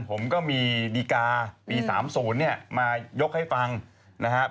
ผมก็มีดีการ์ปี๓โสนมายกให้ฟังนะครับ